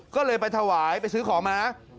ก็เลยไปถวายไปซื้อของมา